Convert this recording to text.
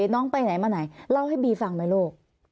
น้องไปไหนมาไหนเล่าให้บีฟังไหมลูก